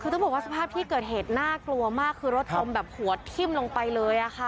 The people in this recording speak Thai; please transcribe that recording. คือต้องบอกว่าสภาพที่เกิดเหตุน่ากลัวมากคือรถจมแบบหัวทิ้มลงไปเลยค่ะ